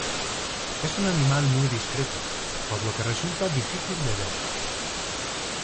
Es un animal muy discreto, por lo que resulta difícil de ver.